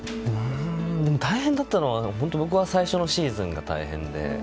大変だったのは僕は最初のシーズンが大変で。